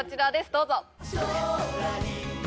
どうぞ